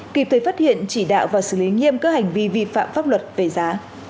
kịp thời phát hiện chỉ đạo và xử lý nghiêm các hành vi vi phạm pháp luật về giá